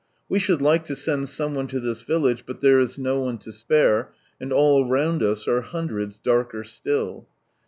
We should like to send some one to this village, but there is no one to spate, and all round us are hundreds darker still.